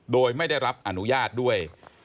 โดยไม่ได้รับอนุญาตด้วย